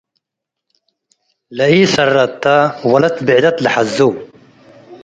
ለኢሰረተ ወለት ብዕደት ለሐዙ ።